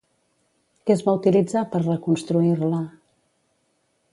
Què es va utilitzar per reconstruir-la?